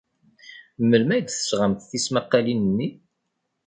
Melmi ay d-tesɣamt tismaqqalin-nni?